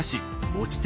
持ち手